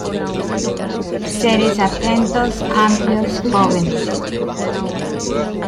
Seres Atentos, amplios, jóvenes.